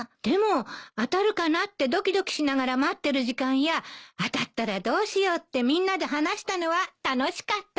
でも当たるかなってドキドキしながら待ってる時間や当たったらどうしようってみんなで話したのは楽しかったわ。